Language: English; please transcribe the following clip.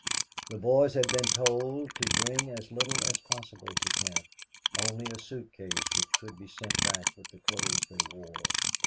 The boys had been told to bring as little as possible to camp only a suit case which could be sent back with the clothes they wore.